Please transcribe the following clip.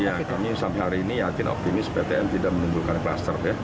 iya kami sampai hari ini yakin optimis ptm tidak menembulkan klaster